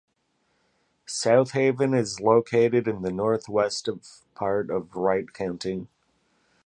South Haven is located in the northwest part of Wright County.